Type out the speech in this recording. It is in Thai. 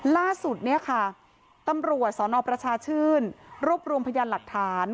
ล่าสุดเนี่ยค่ะตำรวจสนประชาชื่นรวบรวมพยานหลักฐาน